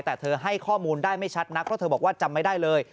แต่เธอให้ข้อมูลได้ไม่ชัดนักเพราะเธอบอกว่าจำไม่ได้เลย